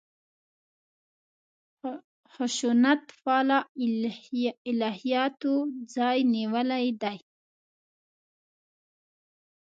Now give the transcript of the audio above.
خشونت پاله الهیاتو ځای نیولی دی.